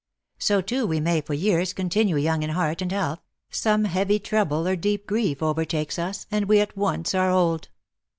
So, too, we may for years continue young in heart and health; some heavy trouble or deep grief overtakes us, and we at once are old."